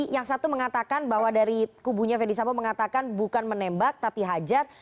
berarti yang satu mengatakan bahwa dari kuburnya verdi sambo mengatakan bukan menembak tapi hajar